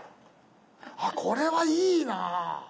あっこれはいいな！